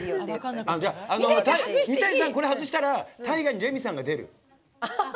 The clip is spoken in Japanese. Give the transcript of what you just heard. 三谷さん、これ外したら大河にレミさんが出る。